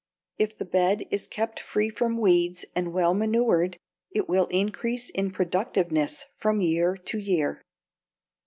If the bed is kept free from weeds and well manured, it will increase in productiveness from year to year.